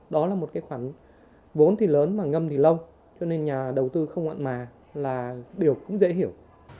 đó là một cái khoản vốn thì lớn mà ngâm thì lâu cho nên nhà đầu tư không mặn mà là điều cũng dễ hiểu